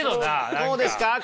こうですか？